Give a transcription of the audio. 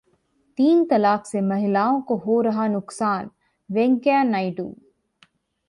तीन तलाक से महिलाओं को हो रहा नुकसान: वेंकैया नायडू